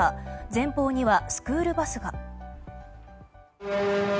前方にはスクールバスが。